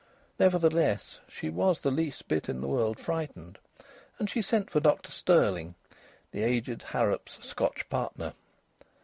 Nevertheless she was the least bit in the world frightened. And she sent for Dr Stirling, the aged Harrop's Scotch partner.